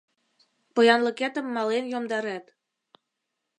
Поянлыкетым мален йомдарет!